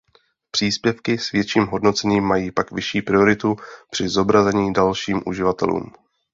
Příspěvky s větším hodnocením mají pak vyšší prioritu při zobrazení dalším uživatelům.